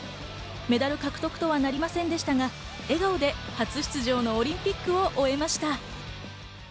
メダル獲得とはなりませんでしたが、笑顔で初出場のオリンピックを終えました。